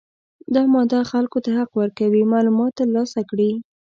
دا ماده خلکو ته حق ورکوي معلومات ترلاسه کړي.